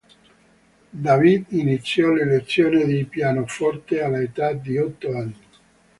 David iniziò le lezioni di pianoforte all'età di otto anni.